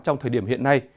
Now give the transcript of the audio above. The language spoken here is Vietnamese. trong thời điểm hiện nay